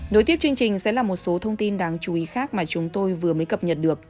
nối tiếp chương trình sẽ là một số thông tin đáng chú ý khác mà chúng tôi vừa mới cập nhật được